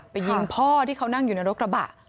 ยิงพ่อที่เขานั่งอยู่ในรถกระบะ